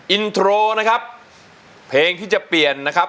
อินโทรนะครับเพลงที่จะเปลี่ยนนะครับ